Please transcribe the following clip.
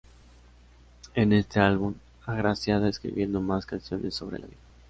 En este álbum agraciada escribiendo más canciones sobre la vida.